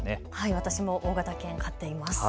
私も大型犬、飼っています。